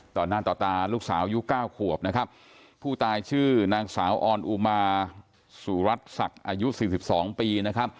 ตอนนั้นต่อตาลูกสาวยูก๙ขวบผู้ตายชื่อนางสาวออนอุมาสุรัสสักอายุ๔๒ปี